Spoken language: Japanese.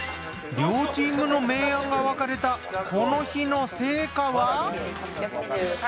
両チームの明暗が分かれたこの日の成果は？